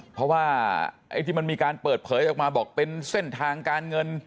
เพราะว่าไอ้ที่มันมีการเปิดเผยออกมาบอกเป็นเส้นทางการเงิน